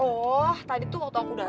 oh tadi tuh waktu aku datang